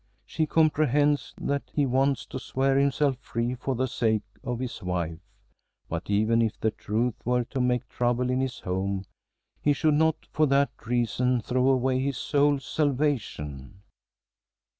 She comprehends that he wants to swear himself free for the sake of his wife. But even if the truth were to make trouble in his home, he should not for that reason throw away his soul's salvation.